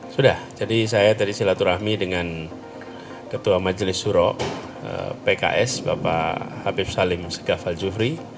sudah jadi saya tadi silaturahmi dengan ketua majelis suro pks bapak habib salim segafal jufri